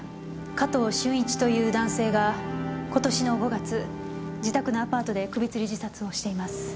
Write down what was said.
加藤俊一という男性が今年の５月自宅のアパートで首つり自殺をしています。